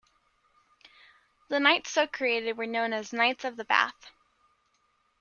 The knights so created were known as "Knights of the Bath".